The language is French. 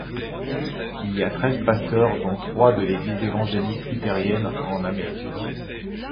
Il y a treize pasteurs dont trois de l'Église évangélique luthérienne en Amérique.